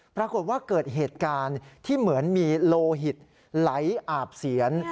ปรากฏว่าเกิดเหตุการณ์ที่เหมือนมีโลหิตไหลอาบเสียน